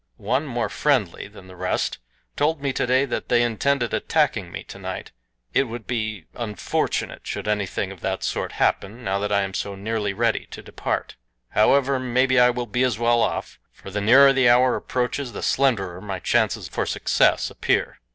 One, more friendly than the rest, told me today that they intended attacking me tonight. It would be unfortunate should anything of that sort happen now that I am so nearly ready to depart. However, maybe I will be as well off, for the nearer the hour approaches, the slenderer my chances for success appear.